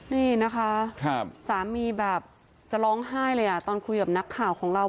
นี่นะคะสามีแบบจะร้องไห้เลยอ่ะตอนคุยกับนักข่าวของเรา